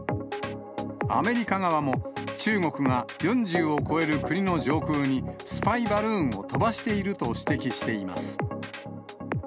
アメリカ側も、中国が４０を超える国の上空にスパイバルーンを飛ばしていると指摘しています。